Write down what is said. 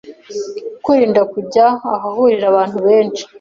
kwirinda kujya ahahurira abantu benshi,